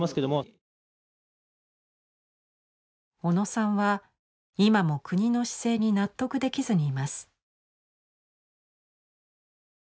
小野さんは今も国の姿勢に納得できずにいます。